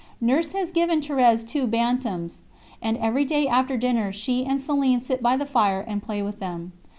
Nurse has given Thérèse two bantams, and every day after dinner she and Céline sit by the fire and play with them.